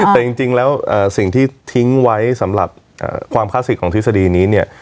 แต่จริงแล้วสิ่งที่ทิ้งไว้สำหรับความคลาสสิกของทฤษฎีนี้เนี่ย